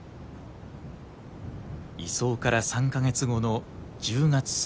移送から３か月後の１０月末。